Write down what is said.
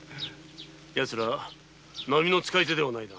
やつら並みの使い手ではない。